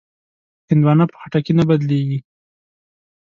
هندوانه په خټکي نه بدلېږي.